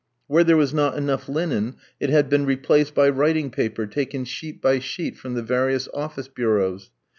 Where there was not enough linen, it had been replaced by writing paper, taken sheet by sheet from the various office bureaus.